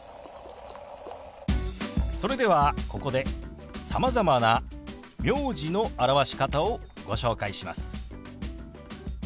それではここでさまざまな名字の表し方をご紹介します。